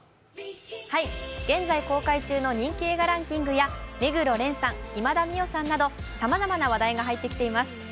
現在公開中の人気映画ランキングや、目黒蓮さん、今田美桜さんなどさまざまな話題が入ってきています。